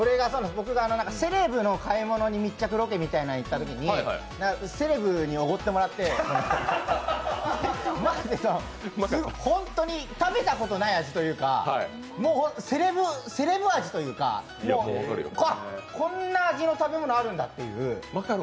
僕が、セレブの買い物に密着ロケみたいのに行ったときにセレブにおごってもらって本当に食べたことない味というかセレブ味というか、こんな味の食べ物あるんだっていう。